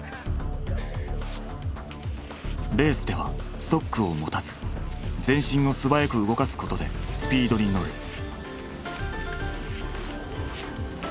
レースではストックを持たず全身を素早く動かすことでスピードに乗る。